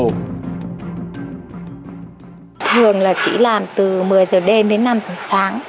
thường là chỉ làm từ một mươi giờ đêm đến năm giờ sáng